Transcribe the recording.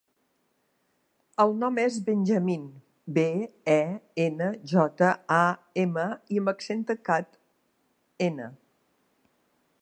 El nom és Benjamín: be, e, ena, jota, a, ema, i amb accent tancat, ena.